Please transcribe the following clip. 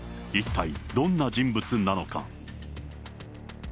一体、どんな人物なのか。